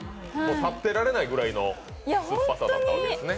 立ってられないぐらいの酸っぱさですね。